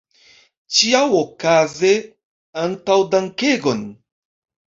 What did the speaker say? Ĉiaokaze, antaŭdankegon!